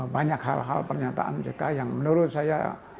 banyak hal hal pernyataan jk yang menurut saya